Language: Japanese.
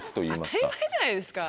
当たり前じゃないですか。